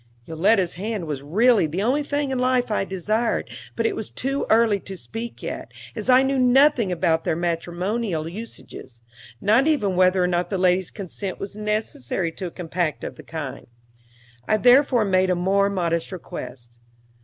Yoletta's hand was really the only thing in life I desired, but it was too early to speak yet, as I knew nothing about their matrimonial usages not even whether or not the lady's consent was necessary to a compact of the kind. I therefore made a more modest request.